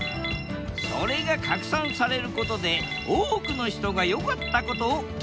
それが拡散されることで多くの人が良かったことを共有。